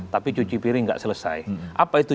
tapi cuci piring nggak selesai apa itu